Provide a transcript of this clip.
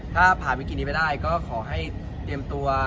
ถ้าผ่านวิกฤตนี้ไปได้ก็ขอให้เตรียมตัว